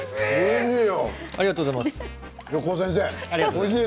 おいしい。